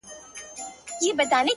پښتې ستري تر سترو؛ استثناء د يوې گوتي؛